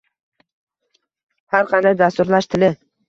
Har qaysi dasturlash tili